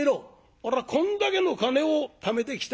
おらこんだけの金をためてきた。